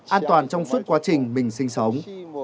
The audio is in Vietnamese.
an toàn trong suốt quá trình mình sinh sống